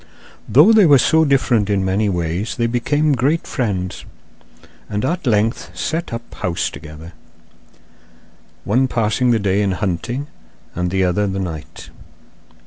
Though they were so different in many ways they became great friends, and at length set up house together, one passing the day in hunting and the other the night.